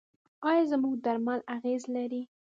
آیا زموږ درمل اغیز لري؟